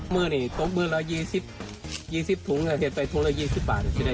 มื้อนี่ต้นป์มื้อนละ๒๐ถุงศิษฐ์ปลายถุงละ๒๐บาท